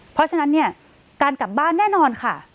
เพราะฉะนั้นเนี่ยการกลับบ้านแน่นอนค่ะ